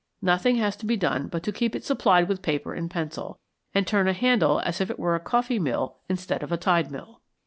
Nothing has to be done but to keep it supplied with paper and pencil, and turn a handle as if it were a coffee mill instead of a tide mill.